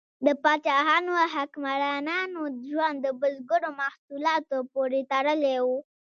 د پاچاهانو او حکمرانانو ژوند د بزګرو محصولاتو پورې تړلی و.